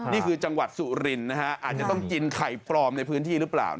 นี่คือจังหวัดสุรินอาจจะต้องกินไข่ปลอมในพื้นที่หรือเปล่า